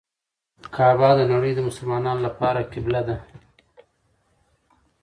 کعبه د نړۍ د مسلمانانو لپاره قبله ده.